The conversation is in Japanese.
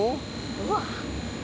うわっ。